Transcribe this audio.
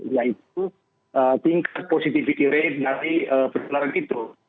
yaitu tingkat positivity rate dari penularan itu